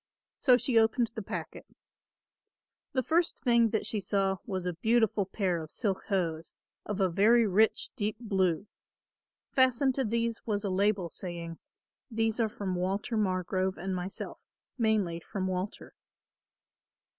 So she opened the packet. The first thing that she saw was a beautiful pair of silk hose of a very rich deep blue. Fastened to these was a label, saying: "These are from Walter Margrove and myself, mainly from Walter."